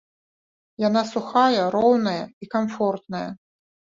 Яна сухая, роўная і камфортная.